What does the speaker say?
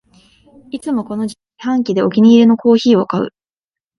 いつもこの自販機でお気に入りのコーヒーを買う